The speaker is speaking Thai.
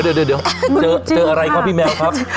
เดี๋ยวเจออะไรครับพี่แมวครับ